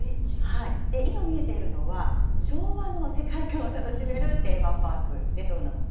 今見えているのは、昭和の世界観を楽しめるテーマパーク。